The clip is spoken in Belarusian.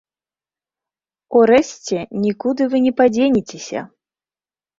Урэшце, нікуды вы не падзенецеся!